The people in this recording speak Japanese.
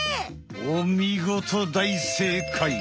おみごとだいせいかい！